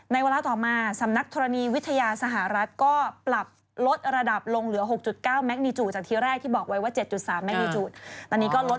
ในเวลาต่อมาสำนักทรณีวิทยาสหรัฐก็ปรับลดระดับลงเหลือ๖๙แมกนิตยูต